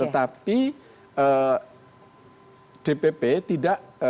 tetapi dpp tidak